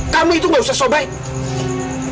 kami itu gak usah sobaik